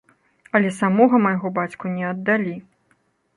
Але самога майго бацьку не аддалі.